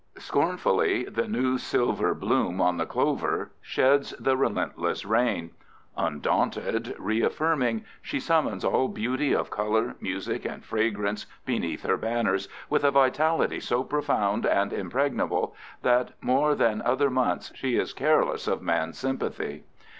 Scornfully the new silver bloom on the clover sheds the relentless rain. Undaunted, reaffirming, she summons all beauty of color, music, and fragrance beneath her banners, with a vitality so profound and impregnable that more than other months she is careless of man's sympathy.